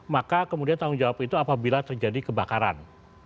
maka kemudian tanggung jawab itu apabila terjadi kebakaran